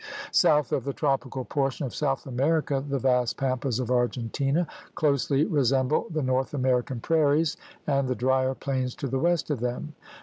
South of the tropical portion of South America the vast pampas of Argentina closely resemble the North American prairies and the drier plains to the west of them.